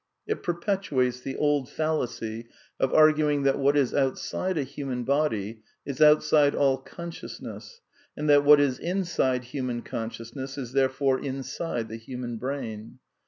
It perpetuates the old fallacy of arguing ^ that what is outside a human body is outside all conscious VV ^ nesSy and that what is inside human consciousness is there fore inside the human brain.